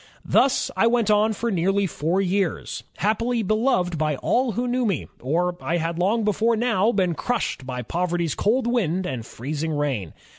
... Thus I went on for nearly four years — happily beloved by all who knew me, or I had long before now been crushed by poverty's cold wind and freezing rain.